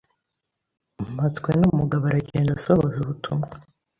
Mpatswenumugabo aragenda asohoza ubutumwa